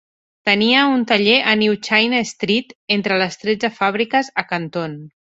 Tenia un taller a 'New China Street' entre les tretze fàbriques a Canton.